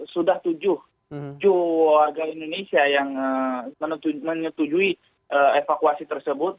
sudah tujuh warga indonesia yang menyetujui evakuasi tersebut